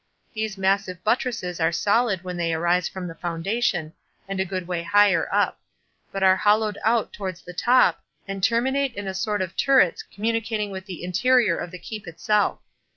These massive buttresses are solid when they arise from the foundation, and a good way higher up; but are hollowed out towards the top, and terminate in a sort of turrets communicating with the interior of the keep itself.